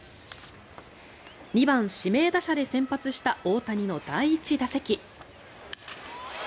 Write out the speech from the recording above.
２番指名打者で先発した大谷の第１打席。